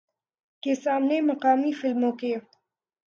کے سامنے مقامی فلموں کے